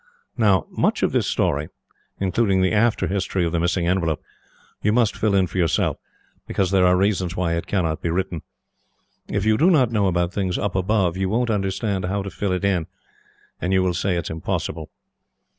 Now, much of this story, including the after history of the missing envelope, you must fill in for yourself, because there are reasons why it cannot be written. If you do not know about things Up Above, you won't understand how to fill it in, and you will say it is impossible.